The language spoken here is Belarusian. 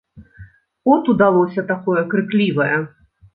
От удалося такое крыклівае.